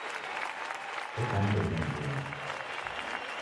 Oka andenyi ya jela.